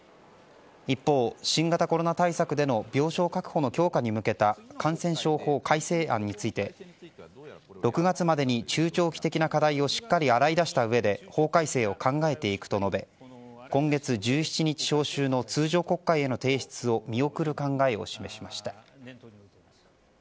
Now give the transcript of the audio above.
一方、新型コロナ対策での病床確保の強化に向けた感染症法改正案について６月までに中長期的な課題をしっかり洗い出した上で法改正を考えていくと述べ今月１７日召集の通常国会への提出を見送る考えを示しました。